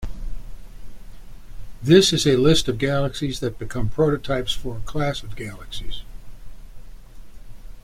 This is a list of galaxies that became prototypes for a class of galaxies.